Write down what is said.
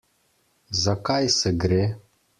Za kaj se gre?